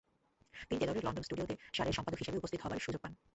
তিনি টেলরের লন্ডন স্টুডিওতে সারের সম্পাদক হিসেবে উপস্থিত হবার সুযোগ পান।